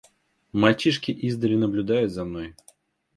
Мальчишки издали наблюдают за мной.